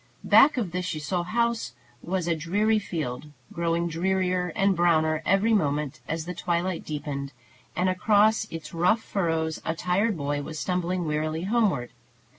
Back of the Ciseaux house was a dreary field, growing drearier and browner every moment as the twilight deepened; and across its rough furrows a tired boy was stumbling wearily homeward.